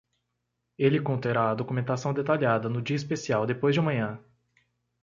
Ele conterá a documentação detalhada no dia especial depois de amanhã.